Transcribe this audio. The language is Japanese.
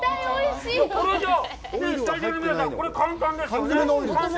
スタジオの皆さん、これ、簡単ですよね。